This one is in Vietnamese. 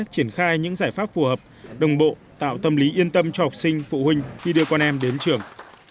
triển khai những giải pháp phù hợp đồng bộ tạo tâm lý yên tâm cho học sinh phụ huynh khi đưa con em đến trường